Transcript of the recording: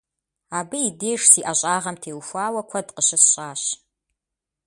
Абы и деж си ӀэщӀагъэм теухуауэ куэд къыщысщӀащ.